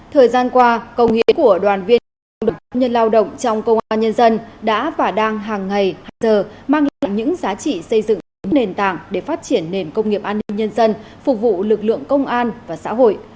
thời gian qua công nghiệp của đoàn viên công an nhân dân đã và đang hàng ngày hàng giờ mang lại những giá trị xây dựng nền tảng để phát triển nền công nghiệp an ninh nhân dân phục vụ lực lượng công an và xã hội